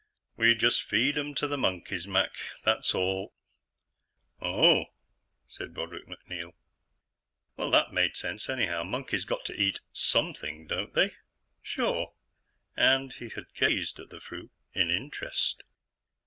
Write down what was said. "We just feed 'em to the monkeys, Mac, that's all." "Oh," said Broderick MacNeil. Well, that made sense, anyhow. Monkeys got to eat something, don't they? Sure. And he had gazed at the fruit in interest.